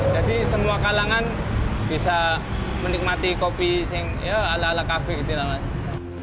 jadi semua kalangan bisa menikmati kopi yang ala ala kafe gitu namanya